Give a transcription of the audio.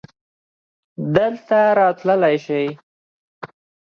دلته راتللی شې؟